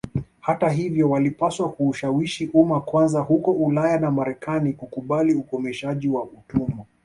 Hata hivyo walipaswa kuushawishi umma kwanza huko Ulaya na Marekani kukubali ukomeshaji wa utumwa